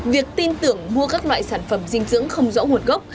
việc tin tưởng mua các loại sản phẩm dinh dưỡng không rõ nguồn gốc